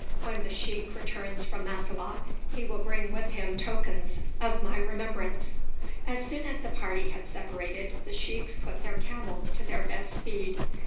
When the sheik returns from Massowah he shall bring with him tokens of my remembrance." As soon as the party had separated the sheiks put their camels to their best speed.